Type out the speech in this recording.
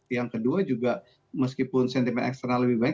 yang kedua juga meskipun sentimen eksternal lebih baik